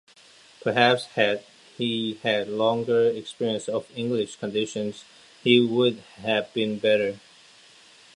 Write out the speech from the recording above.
Perhaps had he had longer experience of English conditions he would have been better.